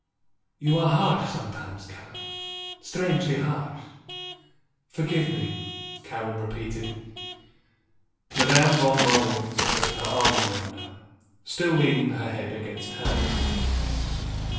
You are harsh sometimes, Karen, strangely harsh." "Forgive me," Karen repeated. Madame von Marwitz put her arms around her, still leaning her head against hers.